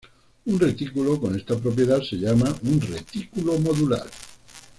Un retículo con esta propiedad se llama un retículo modular.